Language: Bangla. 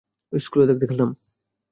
স্কুলে থাকতে খেলতাম।